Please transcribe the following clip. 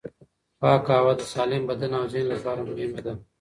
پاکه هوا د سالم بدن او ذهن لپاره مهمه ده.